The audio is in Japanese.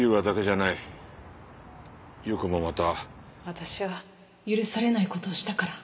私は許されない事をしたから。